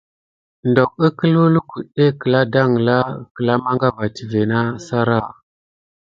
Dok ǝklǝw lukudé kǝla dangla kǝla mangava tivé nah sara.